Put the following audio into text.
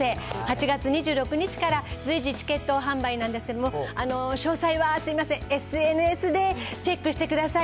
８月２６日から随時チケット販売なんですけれども、詳細はすみません、ＳＮＳでチェックしてください。